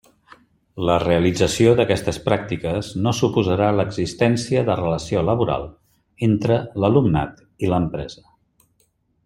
La realització d'aquestes pràctiques no suposarà l'existència de relació laboral entre l'alumnat i l'empresa.